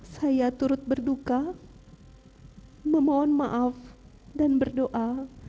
saya turut berduka memohon maaf dan berdoa